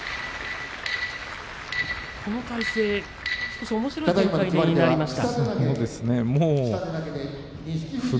この体勢、少しおもしろい展開になりました。